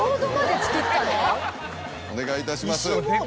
お願いいたします。